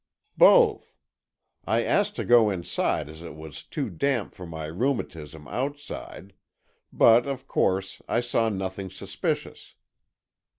"Both. I asked to go inside as it was too damp for my rheumatism outside. But, of course, I saw nothing suspicious.